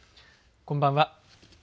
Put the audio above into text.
こんばんは。